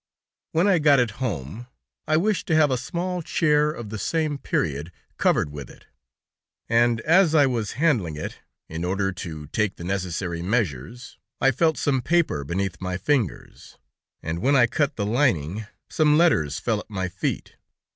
When I got it home, I wished to have a small chair of the same period covered with it; and as I was handling it in order to take the necessary measures, I felt some paper beneath my fingers, and when I cut the lining, some letters fell at my feet.